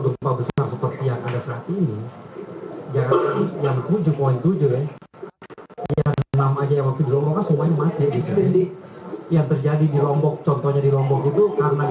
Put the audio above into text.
terpaksa seperti yang ada saat ini yang tujuh tujuh yang terjadi di rombok contohnya di rombok itu karena